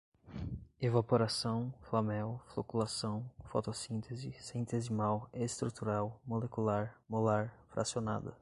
evaporação, flamel, floculação, fotossíntese, centesimal, estrutural, molecular, molar, fracionada